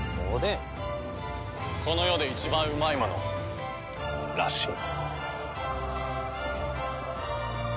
この世で一番うまいものらしい。